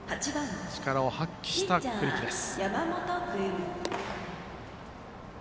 力を発揮した栗城です。